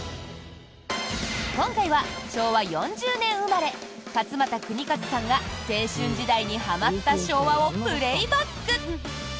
今回は昭和４０年生まれ勝俣州和さんが青春時代にはまった昭和をプレーバック。